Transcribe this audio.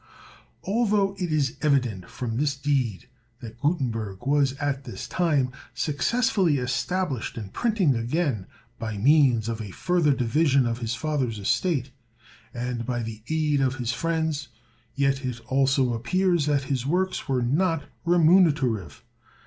Although it is evident from this deed that Gutenberg was at this time successfully established in printing again by means of a further division of his father's estate, and by the aid of his friends, yet it also appears that his works were not remunerative.